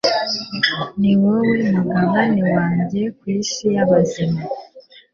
ni wowe mugabane wanjye ku isi y’abazima»